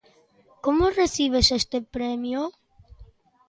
Como recibes este premio?